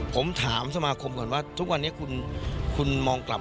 ผมถามสมาคมก่อนว่าทุกวันนี้คุณมองกลับ